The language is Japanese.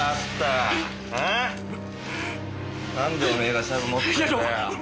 なんでおめえがシャブ持ってんだよ？